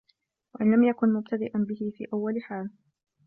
وَإِنْ لَمْ يَكُنْ مُبْتَدِئًا بِهِ فِي أَوَّلِ حَالٍ